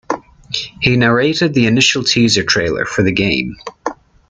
He narrated the initial teaser trailer for the game.